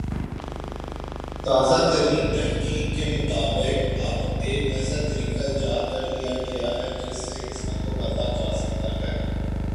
تازہ ترین تحقیق کے مطابق اب ایک ایسا طریقہ ایجاد کر لیا گیا ہے جس سے قسمت کو بدلہ جاسکتا ہے